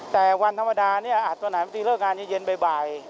แต่วันธรรมดานี้อาจวันไหนไม่ติดเลิกงานเย็นใบ